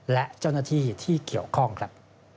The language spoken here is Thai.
และเจ้าหน้าที่ที่เกี่ยวข้องครับ